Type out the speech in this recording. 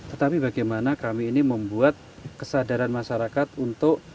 tetapi bagaimana kami ini membuat kesadaran masyarakat untuk